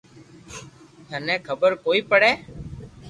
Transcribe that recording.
ٿني خبر ڪوئي پڙي